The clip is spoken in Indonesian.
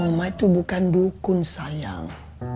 rumah itu bukan dukun sayang